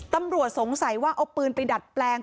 ตำรวจสงสัยว่าเอาปืนไปดัดแปลง